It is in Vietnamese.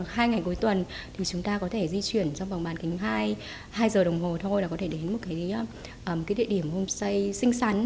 hai ngày cuối tuần thì chúng ta có thể di chuyển trong vòng bàn kính hai giờ đồng hồ thôi là có thể đến một cái địa điểm homestay xinh xắn